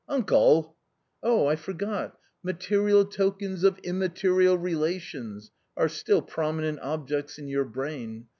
" Uncle !"" Oh, I forgot ; l material tokens of immaterial relations ' are still promient objects in your brain.